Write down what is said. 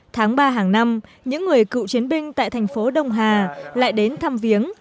tháng ba hàng năm những người cựu chiến binh tại thành phố đông hà lại đến thăm viếng